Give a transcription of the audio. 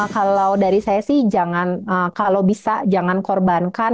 kalau dari saya sih jangan kalau bisa jangan korbankan